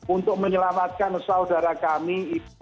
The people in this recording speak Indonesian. untuk menyelamatkan saudara kami